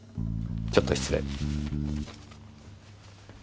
ちょっと失礼。